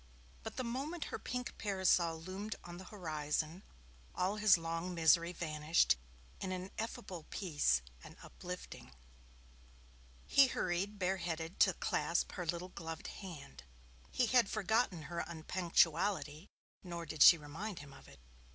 but the moment her pink parasol loomed on the horizon, all his long misery vanished in an ineffable peace and uplifting. He hurried, bare headed, to clasp her little gloved hand. He had forgotten her unpunctuality, nor did she remind him of it.